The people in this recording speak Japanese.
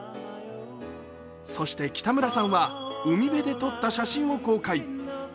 そして、北村さんは海辺で撮った写真を公開。